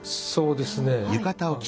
そうですね。